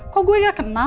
kok gue gak kenal